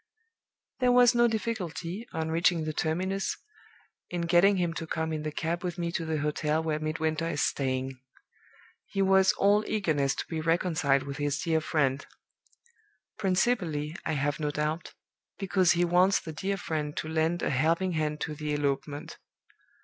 "There was no difficulty, on reaching the terminus, in getting him to come in the cab with me to the hotel where Midwinter is staying. He was all eagerness to be reconciled with his dear friend principally, I have no doubt, because he wants the dear friend to lend a helping hand to the elopement.